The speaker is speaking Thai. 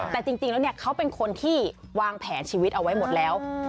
แต่จริงแล้วเขาเป็นคนที่วางแผนชีวิตเอาไว้หมดแล้ว